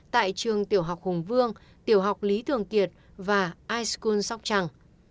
tại trường tiểu học hùng vương tiểu học lý thường kiệt và ischool sóc trăng